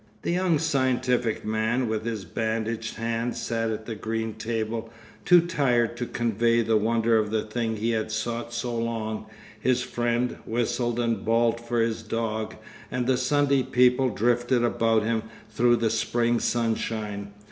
_' The young scientific man, with his bandaged hand, sat at the green table, too tired to convey the wonder of the thing he had sought so long, his friend whistled and bawled for his dog, and the Sunday people drifted about them through the spring sunshine.